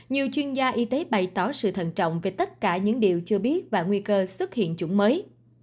nhiều chuyên gia y tế bày tỏ sự thần trọng về tất cả những điều chưa biết và nguy cơ xuất hiện chủng mới